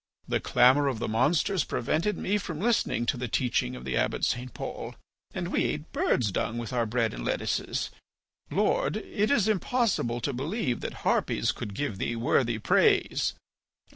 The clamour of the monsters prevented me from listening to the teaching of the Abbot St. Paul, and we ate birds' dung with our bread and lettuces. Lord, it is impossible to believe that harpies could give thee worthy praise.